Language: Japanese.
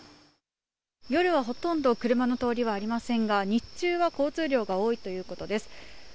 夜はほとんど車の通りはありませんが、日中は交通量が多いということです。